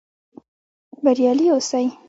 بریالي اوسئ؟